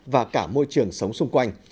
và cả môi trường sống xung quanh